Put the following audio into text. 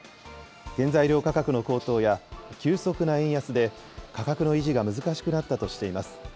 原材料価格の高騰や、急速な円安で、価格の維持が難しくなったとしています。